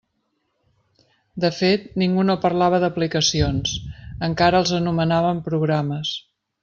De fet, ningú no parlava d'aplicacions: encara els anomenàvem programes.